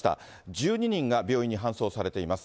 １２人が病院に搬送されています。